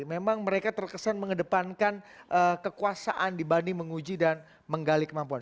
memang mereka terkesan mengedepankan kekuasaan dibanding menguji dan menggali kemampuan